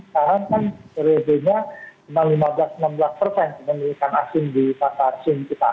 sekarang kan rebenya lima belas enam belas dimiliki asing di pasar asing kita